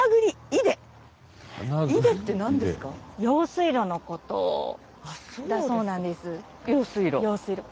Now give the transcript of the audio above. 用水路のことだそうなんです。